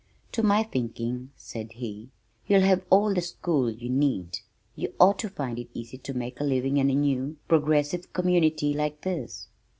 "To my thinking," said he, "you have all the school you need. You ought to find it easy to make a living in a new, progressive community like this."